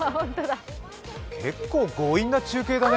結構、強引な中継だね。